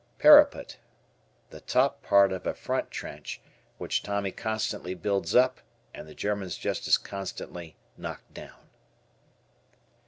Parapet, The top part of a front trench which Tommy constantly builds up and the Germans just as constantly knock down.